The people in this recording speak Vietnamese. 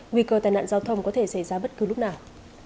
nguy cơ tai nạn giao thông có thể xảy ra bất cứ lúc nào